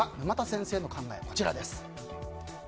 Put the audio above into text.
沼田先生の考え、こちらです。